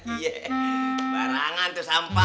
iye barangan tuh sampah